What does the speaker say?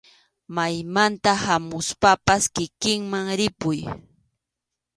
Maymanta hamuspapas kikinman ripuy.